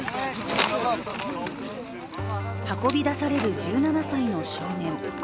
運び出される１７歳の少年。